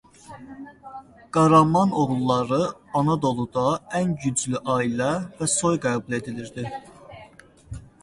Qaramanoğulları Anadoluda ən güclü ailə və soy qəbul edilirdi.